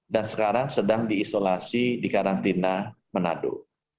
sekarang sedang diisolasi di karantina manado